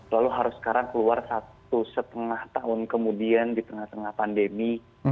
lalu harus sekarang keluar satu setengah tahun kemudian di tengah tengah pandemi